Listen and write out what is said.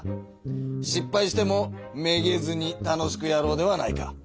しっぱいしてもめげずに楽しくやろうではないか。